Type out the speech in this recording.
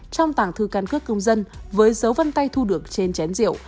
trong tàng thư canh cướp công dân với dấu vân tay thu được trên chén rượu